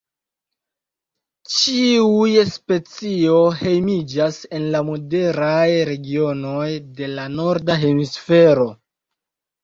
Ĉiuj specio hejmiĝas en la moderaj regionoj de la norda hemisfero.